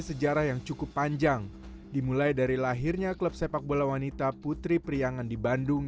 sejarah yang cukup panjang dimulai dari lahirnya klub sepak bola wanita putri priangan di bandung